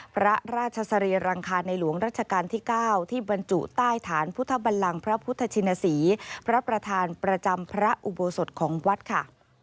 พระราชสรีรังคารในหลวงรัชกาลที่๙ที่บรรจุใต้ฐานพุทธบันลังพระพุทธชินศรีพระประธานประจำพระอุโบสถของวัดค่ะ